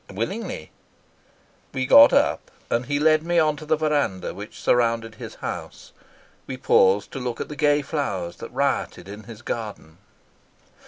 "Willingly." We got up, and he led me on to the verandah which surrounded his house. We paused to look at the gay flowers that rioted in his garden.